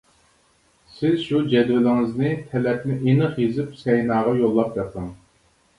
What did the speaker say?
سىز شۇ جەدۋىلىڭىزنى تەلەپنى ئېنىق يېزىپ سەيناغا يوللاپ بېقىڭ!